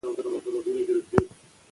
مور د ماشوم د حفظ الصحې اصول ښيي.